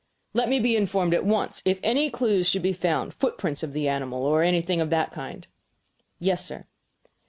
"Let me be informed at once if any clues should be found footprints of the animal, or anything of that kind." "Yes, sir."